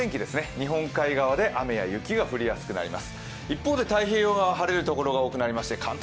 日本海側で雨や雪が降りやすくなっています。